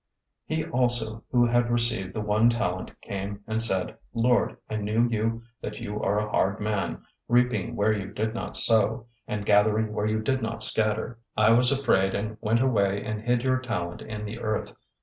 025:024 "He also who had received the one talent came and said, 'Lord, I knew you that you are a hard man, reaping where you did not sow, and gathering where you did not scatter. 025:025 I was afraid, and went away and hid your talent in the earth.